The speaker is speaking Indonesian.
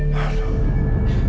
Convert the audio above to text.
malah pergi gak jelas ya